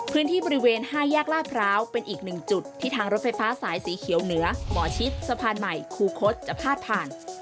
พื้นที่บริเวณ๕แยกลาดพร้าวเป็นอีกหนึ่งจุดที่ทางรถไฟฟ้าสายสีเขียวเหนือหมอชิดสะพานใหม่คูคศจะพาดผ่าน